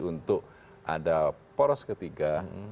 untuk ada poros ketiga